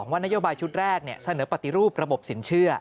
ว่านโยบายชุดแรกเสนอปฏิรูประบบสินเชื่อ